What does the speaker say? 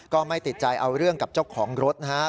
ก็ไม่ติดใจเอาเรื่องกับเจ้าของรถนะครับ